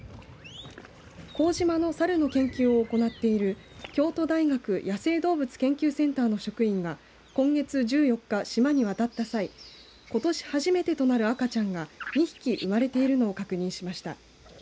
幸島の猿の研究を行っている京都大学野生動物研究センターの職員が今月１４日、島に渡った際ことし初めてとなる赤ちゃんが２匹生まれているのを確認しました。